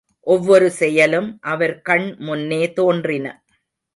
ஒவ்வொரு செயலும் அவர் கண் முன்னே தோன்றின.